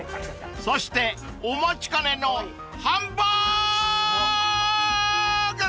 ［そしてお待ちかねのハンバーグ‼］